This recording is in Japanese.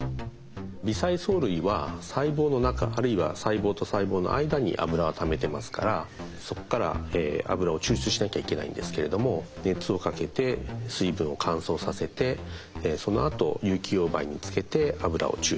微細藻類は細胞の中あるいは細胞と細胞の間にアブラをためてますからそこからアブラを抽出しなきゃいけないんですけれども熱をかけて水分を乾燥させてそのあと有機溶媒につけてアブラを抽出します。